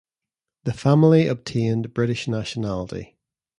The family obtained British nationality.